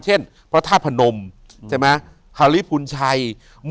เช่นพระทาบพนมใช่ไหม